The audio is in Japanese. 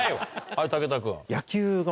はい武田君。